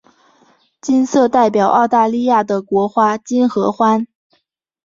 金色代表澳大利亚的国花金合欢。